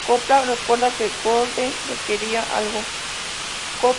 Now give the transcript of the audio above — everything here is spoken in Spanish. Coppola recuerda que "Roger quería algo así como una copia barata de "Psicosis".